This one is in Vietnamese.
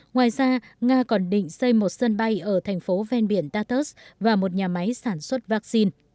ngoài ra nga còn định xây một sân bay ở thành phố ven biển tatus và một nhà máy sản xuất vaccine